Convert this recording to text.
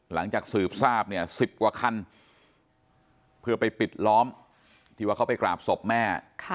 หลังจากสืบทราบเนี่ย๑๐กว่าคันเพื่อไปปิดล้อมที่ว่าเขาไปกราบศพแม่